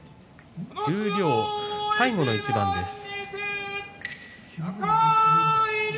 十両最後の一番です。